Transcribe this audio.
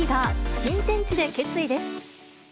新天地で決意です。